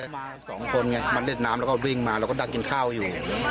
มาสองคนมาเล่นน้ำเราก็ริ่งมาเราก็ได้กินข้าวอยู่